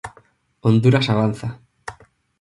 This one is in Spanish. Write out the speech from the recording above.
Honduras avanza.